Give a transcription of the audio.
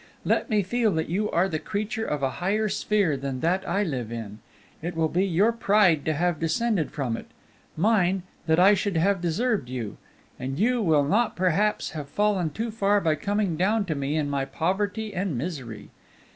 Let me feel that you are the creature of a higher sphere than that I live in; it will be your pride to have descended from it; mine, that I should have deserved you; and you will not perhaps have fallen too far by coming down to me in my poverty and misery.